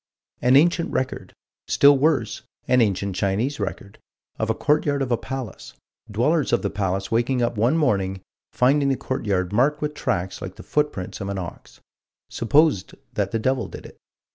An ancient record still worse, an ancient Chinese record of a courtyard of a palace dwellers of the palace waking up one morning, finding the courtyard marked with tracks like the footprints of an ox supposed that the devil did it.